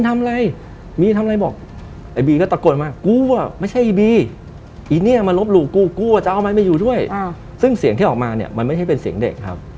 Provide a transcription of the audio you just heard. มันไม่ใช่เป็นเสียงเด็กครับ